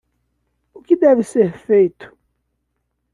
O que deve ser feito?